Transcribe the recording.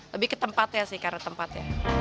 lebih ke tempatnya sih karena tempatnya